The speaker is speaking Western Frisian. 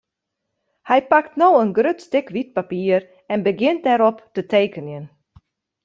Hy pakt no in grut stik wyt papier en begjint dêrop te tekenjen.